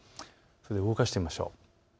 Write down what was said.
動かしてみましょう。